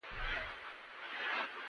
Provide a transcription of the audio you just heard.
چرګه په کور کې داسې رفتار کوي لکه کوربه.